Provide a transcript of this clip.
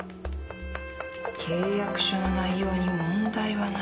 契約書の内容に問題はない。